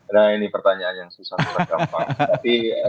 nah ini pertanyaan yang susah untuk digambar